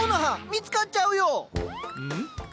見つかっちゃうよ！